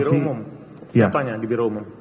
siapanya di biro umum